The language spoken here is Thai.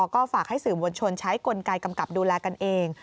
ก็ฝากให้สื่อมวลชนใช้กลไกกำกับดูแลกันเอง